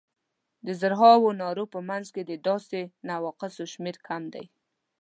د زرهاوو نارو په منځ کې د داسې نواقصو شمېر کم دی.